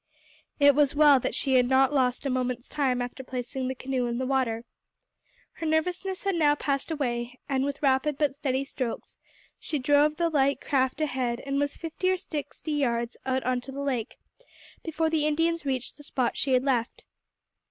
It was well that she had lost not a moment's time after placing the canoe in the water. Her nervousness had now passed away, and with rapid but steady strokes she drove the light craft ahead, and was fifty or sixty yards out on to the lake before the Indians reached the spot she had left.